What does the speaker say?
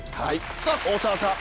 さぁ大沢さん。